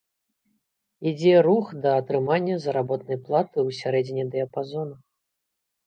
Ідзе рух да атрымання заработнай платы ў сярэдзіне дыяпазону.